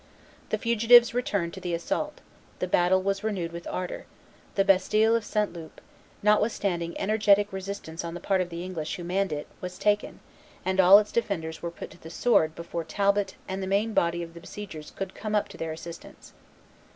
The fugitives returned to the assault; the battle was renewed with ardor; the bastille of St. Loup, notwithstanding energetic resistance on the part of the English who manned it, was taken; and all its defenders were put to the sword before Talbot and the main body of the besiegers could come up to their assistance.